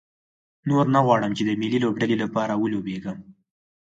نور نه غواړم چې د ملي لوبډلې لپاره ولوبېږم.